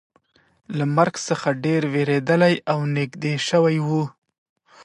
هغه له مرګ څخه ډیر ویریدلی او نږدې شوی و